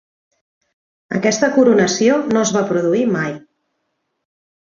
Aquesta coronació no es va produir mai.